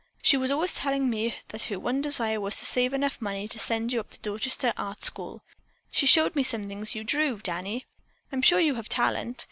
She was always telling me that her one desire was to save enough money to send you up to the Dorchester Art School. She showed me things you drew, Danny. I'm sure you have talent.